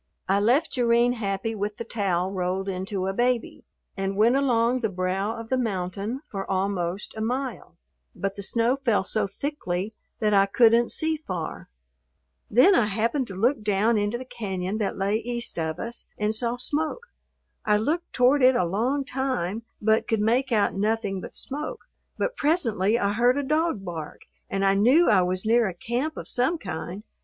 I left Jerrine happy with the towel rolled into a baby, and went along the brow of the mountain for almost a mile, but the snow fell so thickly that I couldn't see far. Then I happened to look down into the cañon that lay east of us and saw smoke. I looked toward it a long time, but could make out nothing but smoke, but presently I heard a dog bark and I knew I was near a camp of some kind.